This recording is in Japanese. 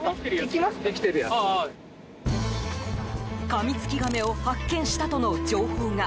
カミツキガメを発見したとの情報が。